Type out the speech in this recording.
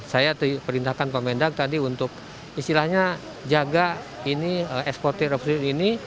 saya perintahkan pemendag tadi untuk istilahnya jaga ekspor terbesar ini